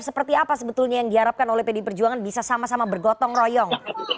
seperti apa sebetulnya yang diharapkan oleh pdi perjuangan bisa sama sama bergotong royong